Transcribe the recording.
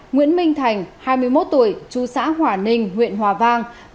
nguyễn minh thành hai mươi một tuổi chú xã hỏa ninh huyện hỏa ninh